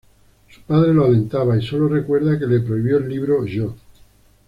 Su padre lo alentaba y solo recuerda que le prohibió el libro "Yo"!